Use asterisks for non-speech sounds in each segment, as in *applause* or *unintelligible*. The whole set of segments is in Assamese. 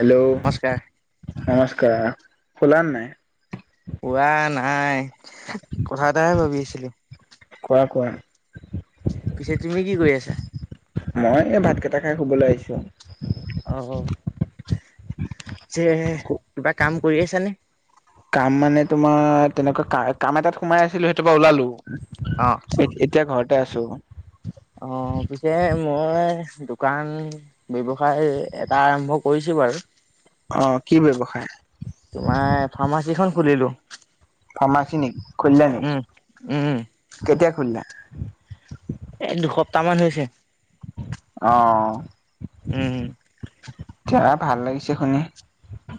হেল্ল' নমস্কাৰ। নমস্কাৰ শুলানে নাই? শুৱা নাই কথা এটাহে ভাবি আছিলো। কোৱা কোৱা। পিছে তুমি কি কৰি আছা? মই এই ভাত কেইটা খাই শুবলৈ আহিছো আৱ। অ' যে হে কিবা কাম কৰি আছানে? কাম মানে তোমাৰ তেনেকুৱা ক কাম এটাত সোমাই আছিলো সেইটোৰপৰা ওলালো। অ'হ। এতিয়া ঘৰতে আছো। অ' পিছে মই দোকান ব্যৱসায় এটা আৰম্ভ কৰিছো বাৰু। অ' কি ব্যৱসায়। তোমাৰ ফাৰ্মাচী খন খুলিলো। ফাৰ্মাচী নেকি? খুলিলা উম নেকি? উম, কেতিয়া খুলিলা? এ দুসপ্তাহ মান হৈছে। অ'অ'। উম, হুম। এৰা ভাল লাগিছে শুনি।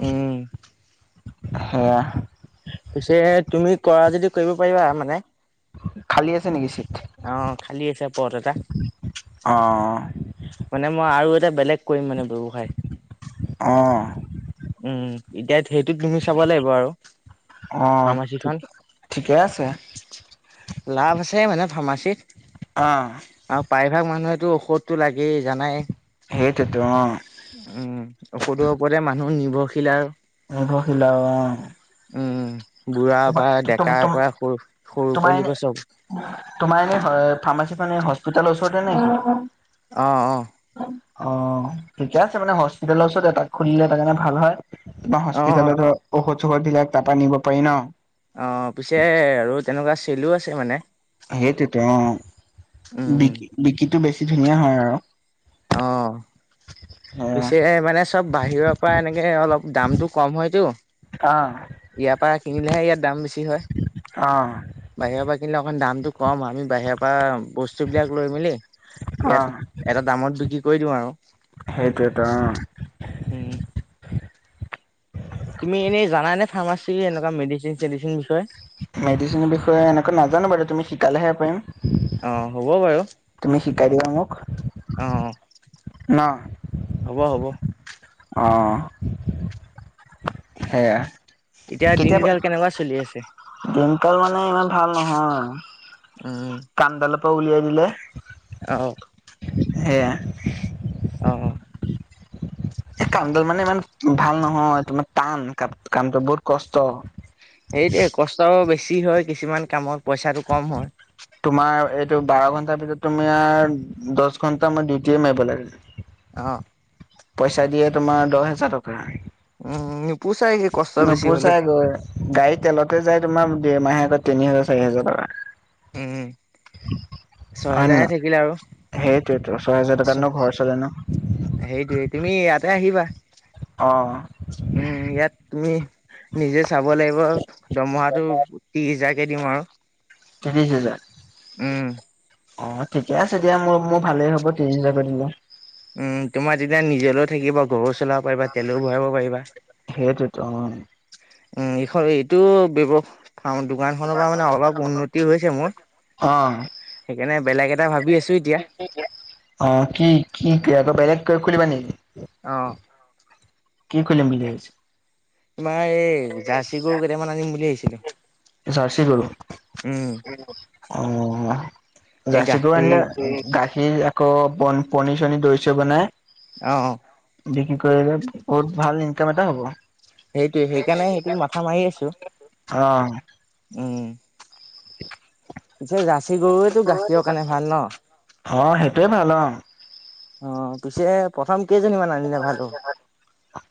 উম। হেয়া। পিছে তুমি কৰা যদি কৰিব পাৰিবা মানে। খালী আছে নেকি চিট? অ খালি আছে পথ এটা। অ'অ'। মানে মই আৰু এটা বেলেগ কৰিম মানে ব্যৱসায়। আহ। উম, এতিয়া সেইটো তুমি চাব লাগিব আৰু। অ' ফাৰ্মাচীখন ঠিকে আছে। লাভ আছে মানে ফাৰ্মাচীত। অ'হ। আৰু প্ৰায়ভাগ মানুহেতো ঔষধতো লাগেই জানাই। সেইটোৱেটো অ'। উম, ঔষধৰ ওপৰতে মানুহ নিৰ্ভৰশীল আৰু। নিৰ্ভৰ শিলও অ'। উম বুঢ়াৰ তোমাৰ পৰা তোমাৰ ডেকাৰ পৰা সৰু সৰু তোমাৰ এনে পোৱালিব চব। তোমাৰ এনে ফাৰ্মাচী মানে হস্পিতালৰ ওচৰতে নে? অ' অ'। অ' ঠিকে আছে মানে হস্পিতেলৰ ওচৰত এতাক খুলিলে তাৰকাৰণে ভাল হয়। তোমাৰ অ', হস্পিতালৰ ধৰ ঔষধ চৌষধ বিলাক তাৰাপা নিব পাৰি ন! অ' পিছে আৰু তেনেকুৱা চেলো আছে মানে। সেইটোতো অ' উম, বিক বিকোটো বেছি ধুনীয়া হয় আৰু। অ'। উম। পিছে মানে চব বাহিৰৰ পৰা এনেকে অলপ দামতটো কম হয়তো। অ'। ইয়াৰ পৰা কিনিলেহে ইয়াত দাম বেছি হয়। অ'। বাহিৰৰ পৰা কিনিলে অকণ দামটো কম হয় আমি বাহিৰৰ পৰা বস্তু বস্তুবিলাক লৈ মেলি অ' ইয়াত এটা দামত বিক্ৰী কৰি দিওঁ আৰু। সেইটোৱেটো অ'। উম। তুমি এনে জানা নে? ফাৰ্মাচী এনেকুৱা মেডিচিন চেডিচিন বিষয়ে? মেডিচনৰ বিষয়ে এনেকা নাজানো বাৰু তুমি শিকালেহে পাৰিম। অ হ'ব বাৰু। তুমি শিকাই দিবা মোক অ' ন। হ'ব হ'ব। অঁ সেয়া। এতিয়া কেতিয়াবা দিনকাল কেনেকুৱা চলি আছে? দিনকাল মানে ইমান ভাল নহয়। উম। কান্দালৰ পৰা উলিয়াই দিলে। অ' অ'। *unintelligible* সেয়া। অ' অ'। কামডাল মানে ইমান ভাল নহয়, তোমাৰ টান কা কামটো বহুত কষ্ট। সেইদে কষ্ট বেছি হয় কিছুমান কামত পইচাটো কম হয়। তোমাৰ এইটো বাৰ ঘন্টাৰ ভিতৰত তুমাৰ দছ ঘন্টা মই ডিউটিয়ে মাৰিব লাগে। *unintelligible* অ' পইচা দিয়ে তোমাৰ দহ হেজাৰ টকা। উম। *unintelligible* পুচাই সেই কষ্ট। বেছি হ'লে নুপুচাই গৈ গাড়ী তেলতে যাই তোমাৰ দেৰ মাহে তিনি হেজাৰ চাৰি হেজাৰ টকা। উম। হয় ছহেজাৰহে ন থাকিলে আৰু। সেইটোৱেটো ছয় হেজাৰ টকাত ন ঘৰ চলে নো। সেইটোয়ে তুমি ইয়াতে আহিবা। অ'। উম ইয়াত তুমি নিজে চাব লাগিব দৰমহাটো। ত্ৰিছ হেজাৰ কে দিম আৰু। ত্ৰিছ হেজাৰ। উম। অ ঠিকে আছে দিয়া মোৰ মোৰ ভালেই হ'ব ত্ৰিশ হাজাৰকৈ দিলে। উম তোমাৰ তেতিয়া নিজেলৈও থাকিবা ঘৰো চলাব। পাৰিবা তেলো ভৰাব পাৰিবা। সেইটোতো অ'। উম, এইখন এইটো ব্যৱ ফাউণ্ডটো। দোকানখনৰ পৰা মানে অলপ উন্নতি হৈছে মোৰ অ' সেইকাৰণে বেলেগ এটা ভাবি আছো এতিয়া। থিক কে অ কি কি আকৌ বেলেগ খুলিবা নেকি? অ' কি খুলিম মিলি ভাবিছ? তোমাৰ এই জাৰ্চি গৰু কেইটামান আনিম বুলি ভাবিছিলোঁ। জাৰ্চি গৰু উম, অ' এই জাৰ্চি গৰু গাখীৰ আনিলে। গাখীৰ আকৌ পনী পনী চনী দৈ চৈ বনাই। অ' অ' বিক্ৰী কৰিলে বহুত ভাল ইনকাম এটা হ'ব। সেইটোয়ে সেইকাৰণে সেইটো মাথা মাৰি আছোঁ। অ', উম, পিছে জাৰ্সি গৰুৱেতটো গাখীৰৰ কাৰণে ভাল ন? অ, সেইটোয়ে ভাল অ,। অ' পিছে। প্ৰথম কেইজনী।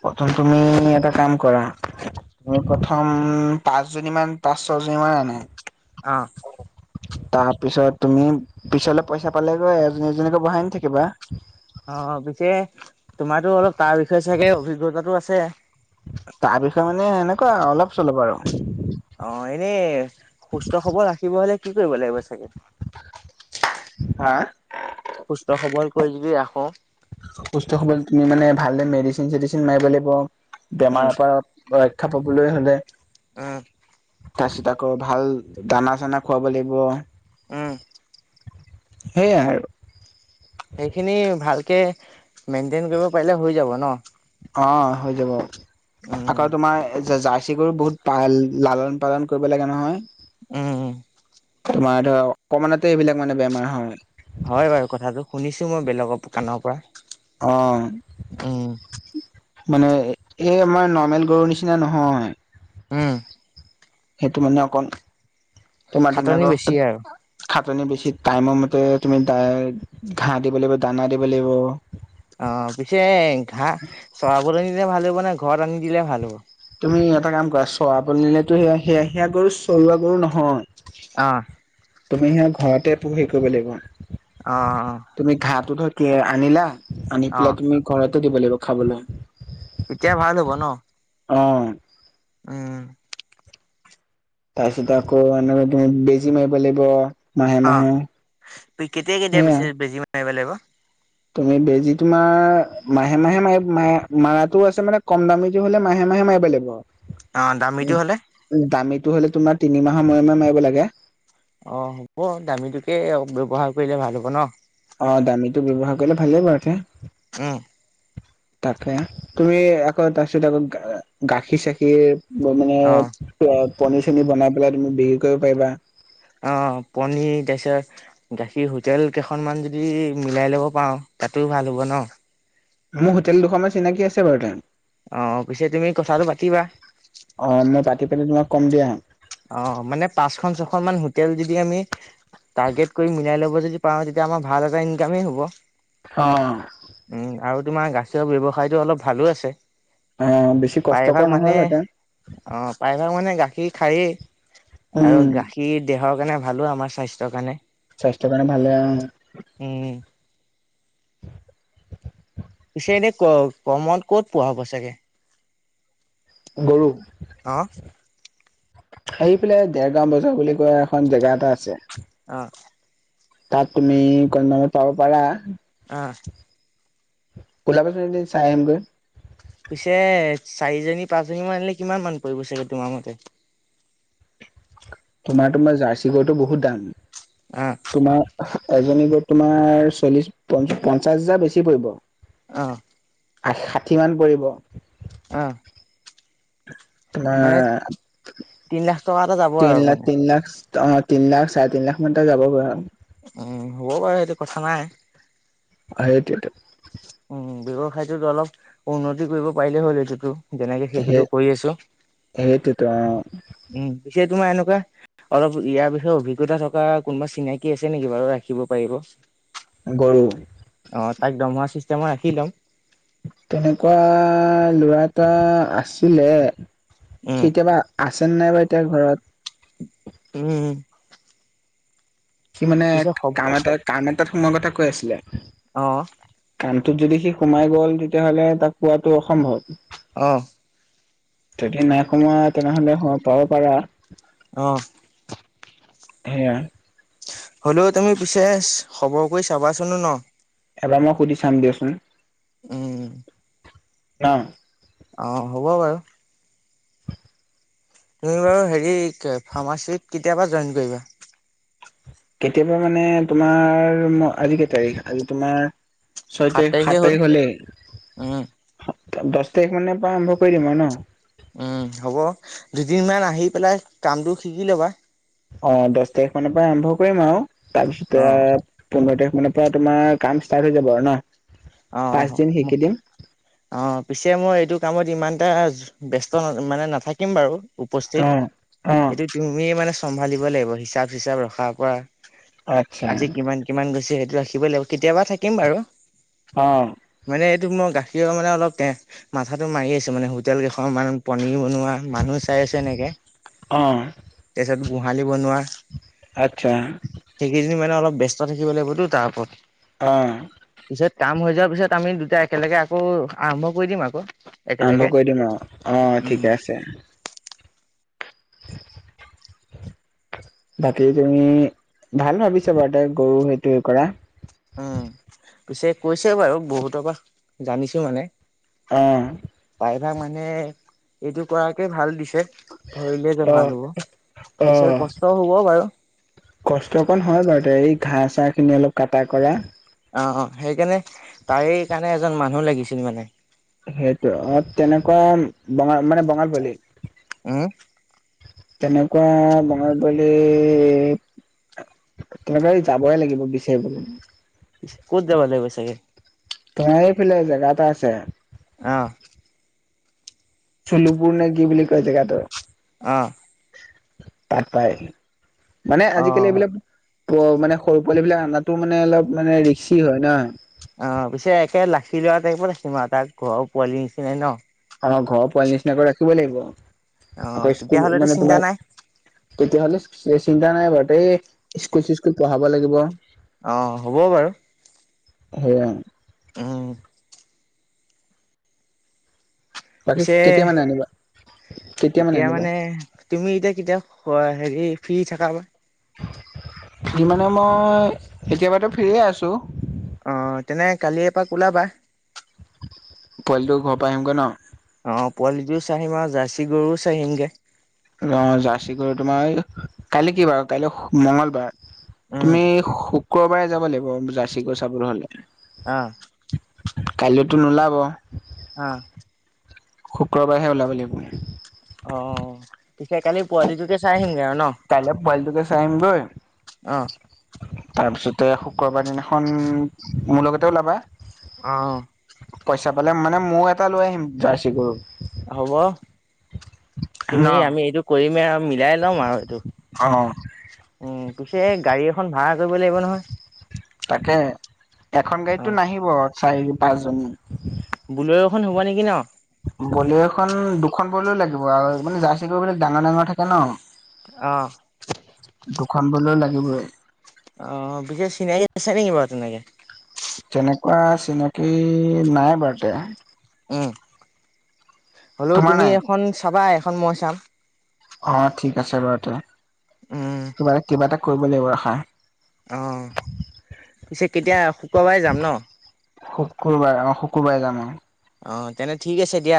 প্ৰথম তুমি এটা কাম কৰা। তুমি প্ৰথম পাঁচ জনী মান পাঁচ ছয় জনী মান আনে। অঁ। তাৰ পিছত তুমি পিছলে পইচা পালেগৈ এজনী এজনীকে বঢ়াই নি থাকিবা। অ পিছে তোমাৰো অলপ তাৰ বিষয়ে চাগে অভিজ্ঞতাটো আছে। তাৰ বিষয়ে মানে এনেকুৱাই অলপ চলপ আৰু। অ এনে সুস্থ খবৰ ৰাখিব হ'লে কি কৰিব লাগিব চাগে। হা। সুস্থ সৱল কৰি যদি ৰাখো। সুস্থ সবল তুমি মানে ভালদৰে মেডিচিন চেডিচিন মাৰিব লাগিব উম। বেমাৰ আপাৰত। ৰক্ষা পাবলৈ হ'লে। উম। তাৰপিছত আকৌ ভাল দানা চানা খুৱাব লাগিব। উম। সেয়াই আৰু। সেইখিনি ভালকে মেইনটেইন কৰিব পাৰিলে হৈ যাব ন। অ হৈ যাব উম, আকৌ তোমাৰ জাৰ্চি গৰু বহুত পাল লালন পালন কৰিব লাগে নহয়। উম উম। তোমাৰ ধৰ অকমানতে এইবিলাক মানে বেমাৰ হয়। হয় বাৰু কথাটো শুনিছো মই বেলেগৰ কাণৰ পৰা। উম। অ'। মানে এই আমাৰ নৰ্মেল গৰুৰ নিচিনা নহয়। উম। সেইটো মানে অকণ তোমাৰ খাটনি বেছি ধুনীয়াকৈ। আৰু *unintelligible* খাটনি বেছি টাইমৰ মতে তুমি দাই ঘাঁহ দিব লাগিব দানা দিব লাগিব। অ' পিছে ঘাঁহ চৰাবলৈ নিলে ভাল হ'ব নে ঘৰত আনি দিলে ভাল হ'ব। তুমি এটা কাম কৰা। চৰাবলৈ নিলেটো সেয়া সেয়া সেয়া গৰু চৰুা গৰু নহয়। অ'। তুমি সিহঁত ঘৰতে পুহি কৰিব লাগিব। অঁ অঁ! তুমি ঘাটো ধৰ কি আনিলা আনি অ' পেলাই তুমি ঘৰতে দিব লাগিব খাবলৈ। এতিয়া ভাল হ'ব নহ। অঁ! উমঁ! তাৰপিছতে আকৌ এনেকে তুমি বেজি মাৰিব লাগিব। মাহে অঁ মাহে কেতিয়া কেতিয়া সেয়া পিছে বেজি মাৰিব লাগিব। তুমি বেজী তোমাৰ মাহে মাহে মা মা মাৰটো আছে মানে কম দামীত- সেইটো হ'লে মাহে মাহে মাৰিব লাগিব। অঁ দামীটো হ'লে - দামীটো হ'লে তোমাৰ তিনিমাহৰ মুৰে মুৰে মাৰিব লাগে। অঁ হ'ব দামীটোকে অঁ ব্যৱহাৰ কৰিলে ভাল হ'ব ন। অঁ দামীটো ব্যৱহাৰ কৰিলে ভালেই বাৰুকে উমঁ! তাকে তুমি আকৌ তাৰপিছত আকৌ গাখীৰ চাখীৰ- মম অ'। পনী চনী বনাই পেলাই তুমি বিক্ৰী কৰিব পাৰিবা। অঁ পনীৰ তাপিছত- গাখীৰ হোটেল কেইখনমান যদি মিলাই ল'ব পাৰ তাতো ভাল হ'ব ন। মোৰ হোটেল দুখ মান চিনাকি আছে বাৰু তাত। অঁ পিছে তুমি কথাটো পাতিবা। অঁ মই পাতি পেলে তোমাক কম দিয়া। অঁ মানে পাঁচখন ছখন মান হোটেল যদি আমি- টাৰ্গেট কৰি মিলাই ল'ব যদি প তেতিয়া আমাৰ ভাল এটা ইনকামেই হ'ব। অঁ অঁ! উমঁ আৰু তোমাৰ গাখীৰৰ ব্যৱসায়টো অলপ ভালো আছে। অ বেছি কষ্টকৰ প্ৰায়ভাগ মানে নহয় বাৰু অঁ প্ৰায়ভাগ মানুহেই গাখীৰ খায়েই। উম আৰু গাখীৰ দেহৰ কাৰণে ভালো আমাৰ স্বাস্থ্যৰ কাৰণে। স্বাস্থ্য কাৰণে ভালে অঁ। উমঁ! পিছে এনেই ক কমন ক'ত পোৱা হ'ব চাগে? গৰু। অ', সেইফেলে দেৰগাঁও বজাৰ বুলি কোৱা এখন জেগা এটা আছে। অঁ! তাত তুমি কণমানত পাব পাৰা। অহ- ওলাবাচোন এদিন চাই আহিম গৈ। পিছে চাৰিজনী পাঁচ জনী মান এনে কিমান মান পৰিব চাগে তোমাৰ মতে? তোমাৰ তোমাৰ জাৰ্চি গৰুটো বহুত দাম। অঁ! তোমাৰ এজনী গৰু তোমাৰ চল্লিশ পঞ্চাশ হাজাৰ বেছি পৰিব। অহ! আ ষাঠি মান পৰিব। অঁ! তোমাৰ তিন লাখ টকা এটা যাব আৰু তিন লাখ মানে তিন লাখচ। অঁ তিন লাখ চাৰে তিন লাখ মান ত যাবগৈ আঁ। উমঁ হ'ব বপাৰঊূূউ সেইটো কথা নাই। সেইটটো। উমঁ ব্যৱসায়টোতো অলপ উন্নতি কৰিব পাৰিলে হ'ল এইেইটোতো।। যেনেকে সেই সেইটোতো কৰি আছো সেইটোতো উমঁ পিছে তোমাৰ এনেকুৱা- অলপ ইয়াৰ বিষয়ে অভিজ্ঞতা থকা কোনোবা চিনাকি আছে নেকি বাৰু ৰাখিব পাৰিব। গৰু। অঁ তাইক দম হোৱা চিষ্টেমৰ ৰাখি লম। তেনেকুৱা লৰা এটা আছিলে। উমঁ! কেতিয়াবা আছেনে নাই বাৰু এতিয়া ঘৰত। উমঁ! সি মানে পিছে খব কাম এটা কাম এটাত সোময় কথা কৈ আছিলে। অঁ! কাণটোত যদি সি সোমাই গ'ল তেতিয়াহ'লে তাক পোৱাাতটো অসম্ভৱ। অঁ! যদি নাই সোমোৱা তেনেহ'লে সূমাব পাব পাৰা। অহ- সেয়া। হ'লেও তুমি পিছে খবৰ কৰি চাবাচোনো ন। এবাৰ মই সুধি চাম দিয়চোন। উমঁ! না। অঁ হ'ব বাৰু। তুমি বাৰু হেৰি ফাৰ্মাচীত কেতিয়াবা জইন কৰিবা। কেতিয়াবা মানে তোমাৰ ম আজি কেই তাৰিখ আজি তোমাৰ- ছয় তাৰিখ তাৰিখে সাত হ'ল তাৰিখ হ'লেই। উম দহ তাৰিখ মানৰ পৰা আৰম্ভ কৰি দিম ন- উমঁ হ'ব দুদিন মান আহি পেলাই কামটো শিকি লবা। অঁ দহ তাৰিখ মানৰ পৰা আৰম্ভ কৰিম আৰু অ তাৰপিছতে- পোন্ধৰ তাৰিখ মানৰ পৰা তোমাৰ কাম ষ্টাৰ্ট হৈ যাব আৰু ন- অঁ পাঁচ অঁ- দিন শিকি দিম অঁ পিছে মই এইটো কামত ইমান এটা ব্যস্ত মানে নাথাকিম বাৰু - উপস্থিত অ অ এইটো তুমি মানে চম্ভালিব লাগিব হিচাপ চিচাপ ৰখাৰ পৰা- আচ্ছা আজি কিমান কিমান গৈছে সেইটো ৰাখিবই লাগিব। কেতিয়াবা থাকিম বাৰু- অঁ! মানে এইটো মই গাখীৰ মানে অলপ- মাথাাতটো মাৰি আছো মানে হোটেল কেইখন মান পনীৰ বনোৱা মানুহ চাই আছো এনেকে- অঁ! তাৰপিছত গোহালি বনোৱা। আচ্ছা। এইকেইদিন মানে অলপ ব্যস্ত থাকিব লাগিবতো তাৰ ওপৰত- অঁ! পিছত কাম হৈ যোৱাৰ পিছত আমি দুটা একেলগে আকৌ আৰম্ভ কৰি দিম আকৌ- আৰম্ভ একেলগে। কৰি দিম। অঁ অঁ উম। ঠিকে আছে। *unintelligible* বাকী তুমি ভাল ভাবিছা বাৰু গৰু সেইটো কৰা। উম পিছে কৈছে বাৰু বহুতৰ পৰা জানিছো মানে অ প্ৰাইভা মানে এইটো কৰাকে ভাল দিছে। ভৰিলে যে অ ভাল হ'ব অ পিছে কষ্টও হ'ব বাৰু কষ্ট কণ হয় বাৰু এই ঘাঁহ চাহ খিনি অলপ কাটা কৰা। অ অ সেইকাৰণে তাৰে কাৰণে এজন মানুহ লাগিছিল মানে সেইটো অ তেনেকুৱা বঙা মানে বঙাল‌ পোৱালি। উম তেনেকুৱা বঙাল পোৱালি কেনেকবা যাবই লাগিব বিচাৰিবলে ক'ত যাবা লাগিব চাগে? এইফালে জেগা এটা আছে। অ চেলুপুৰ নে কি বুলি কয় জেগাটো? অঁ, তাত পাই মানে আজিকালি অ'। এইবিলাক মানে সৰু পোৱালিবিলাক আনাটো মানে অলপ মানে ৰি্কসি হয় নহ। অ পিছে একে লাখি লৰা টত আছেম আৰু তাৰ ঘৰৰ পোৱালিৰ নিচিনাই ন। আমাৰ ঘৰৰ পোৱালি নিচিনা আকৌ ৰাখিব লাগিব অ', আকৌ স্কুল তেতিয়াহ'লেতো মানে চিন্তা তোমাৰ নাই। তেতিয়াহলে চিন্তা নাই বাৰু এই স্কুল চিস্কুল পঢ়াব লাগিব। অ হ'ব বাৰু হেয়া উম। বাকী পিছে কেতিয়া মানে আনিবা কেতিয়া এতিয়া আনিবা মানে তুমি এতিয়া কেতিয়া হেৰি ফ্ৰী থাকা। ফ্ৰী মানে মই এতিয়াবাতো ফ্ৰী এই আছো। অ তেনে কালি এপাক ওলাবা। পোৱালিটোৰ ঘৰৰ পৰা আহিমগৈ ন। অ পোৱালিটোও চাই আহিম আৰু জাৰ্চি গৰুও চাইহিমগে। অ জাৰ্চি গৰু তোমাৰ কাইলে কি বাৰ কাইলৈ মগলবাৰ। উম তুমি শুক্ৰবাৰে যাব লাগিব জাৰ্চি গৰু চাবৰ হলে। অ', কাইলেতো নোলাব। অ', শুক্ৰবাৰহে ওলাব লাগিব। অ' পিছে কালি পোৱালিটোকে চাই আহিমগে আৰু ন। কাইলে পোৱালিটোকে চাই আহিম গৈ। অ তাৰপিছতে শুক্ৰবাৰ দিনাখন মোৰ লগতে ওলাবা। অ'। পইচা পালে মানে ময়ো এটা লৈ আহিম জাৰ্চি গৰু। হ'ব ন তুমি আমি এইটো কৰিমে আৰু মিলাই লম আৰু এইটো। অ', উম, পিছে গাড়ী এখন ভাড়া কৰিব লাগিব নহয়। তাকে এখন অ গাড়ীতটো নাহিব চাৰি পাঁচজনী। বুলেৰোখন হব নেকি ন? বোলেৰুখন দুখন বলেৰু লাগিব আৰু মানে জাৰ্চি গৰু বিলাক ডাঙৰ ডাঙৰ থাকে ন? অঁ' দুখন বলেৰু লাগিবই। অ' বিশেষ চিনাকি আছে নেকি বাৰু তেনেকে? তেনেকুৱা চিনাকী নাই বাৰতে। উম, হ'লেও তোমাৰ তুমি নাই এখন চাবা এখন মই চাম। অঁ' ঠিক আছে বাৰু তে উম কিবা কিবা এটা কৰিব লাগিব ৰখা। অঁ, পিছে কেতিয়া শুক্ৰবাৰে যাম ন? শুকুৰবাৰ অঁ' শুকুৰবাৰে যাম অঁ'। অঁ' তেনে ঠিক আছে দিয়া।